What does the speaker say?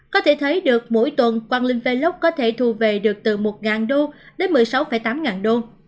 có thể thấy được mỗi tuần quang linh velox có thể thu về được từ một đô đến một mươi sáu tám ngàn đô